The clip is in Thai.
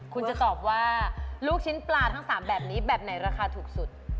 คุณจะตอบว่าลูกชิ้นปลาทั้ง๓แบบนี้แบบไหนราคาถูกสุด